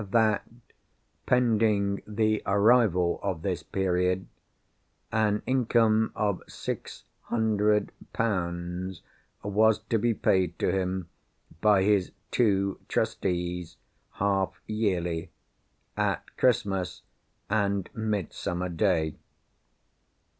That, pending the arrival of this period, an income of six hundred pounds was to be paid to him by his two Trustees, half yearly—at Christmas and Midsummer Day.